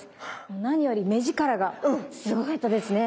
何より目力がすごかったですね。